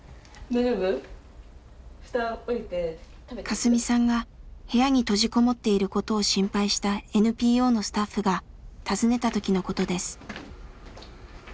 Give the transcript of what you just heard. カスミさんが部屋に閉じ籠もっていることを心配したＮＰＯのスタッフが訪ねた時のことです。